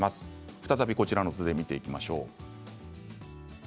再びこちらの図で見ていきましょう。